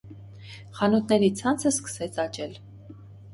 Խանութների ցանցը սկսեց աճել։